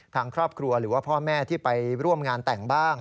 ทางครอบครัวหรือว่าพ่อแม่ที่ไปร่วมงานแต่งบ้าง